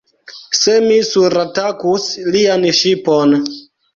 Se mi suratakus lian ŝipon!